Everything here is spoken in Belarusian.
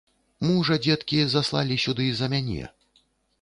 Мужа, дзеткі, заслалі сюды за мяне.